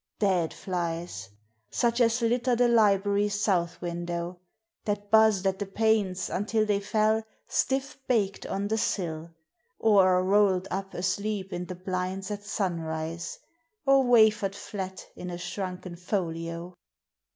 Dead flies such as litter the library south window, That buzzed at the panes until they fell stiff baked on the sill, Or are roll'd up asleep i' the blinds at sunrise, Or wafer'd flat in a shrunken folio.